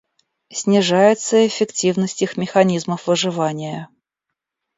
Снижается и эффективность их механизмов выживания.